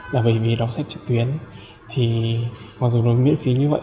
là bởi vì đọc sách trực tuyến thì mặc dù được miễn phí như vậy